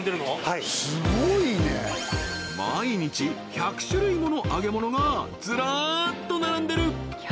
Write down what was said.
はい毎日１００種類もの揚げ物がずらっと並んでる！